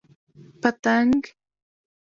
🦋 پتنګ